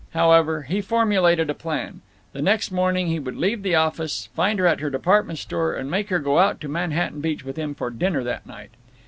However, he formulated a plan. The next morning he would leave the office, find her at her department store, and make her go out to Manhattan Beach with him for dinner that night.